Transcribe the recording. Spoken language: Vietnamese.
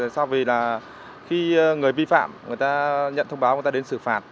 so với là khi người vi phạm người ta nhận thông báo người ta đến xử phạt